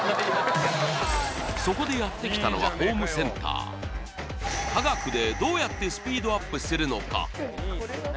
そこでやってきたのはホームセンター科学でどうやってスピードアップするのか？